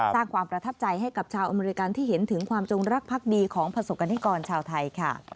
สร้างความประทับใจให้กับชาวอเมริกันที่เห็นถึงความจงรักพักดีของประสบกรณิกรชาวไทยค่ะ